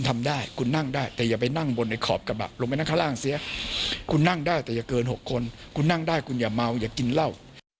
ไม่ได้แต่เกิน๖คนคุณนั่งได้คุณอย่าม้าวอย่ากินเหล้า